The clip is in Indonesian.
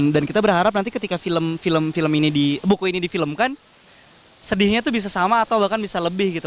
dan kita berharap nanti ketika buku ini difilmkan sedihnya tuh bisa sama atau bahkan bisa lebih gitu